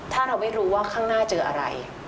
ถ้าเราไม่รู้ว่าข้างหน้าเจออะไร